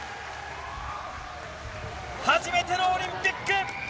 初めてのオリンピック。